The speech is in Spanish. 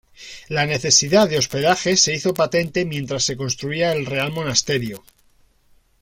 La necesidad de hospedaje se hizo patente mientras se construía el Real Monasterio.